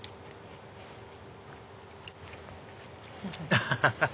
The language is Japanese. アハハハ！